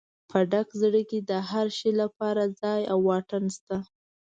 په ډک زړه کې د هر شي لپاره ځای او واټن شته.